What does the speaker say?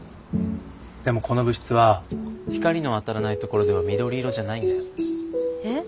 でもこの物質は光の当たらないところでは緑色じゃないんだよ。えっ？